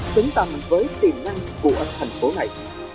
xứng tâm với tiềm năng của thành phố này